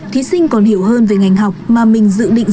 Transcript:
thí sinh còn hiểu hơn về ngành học mà mình dự định